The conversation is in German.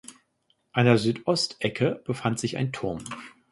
An der Südostecke befand sich ein Turm.